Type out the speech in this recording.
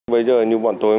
bây giờ như bọn tôi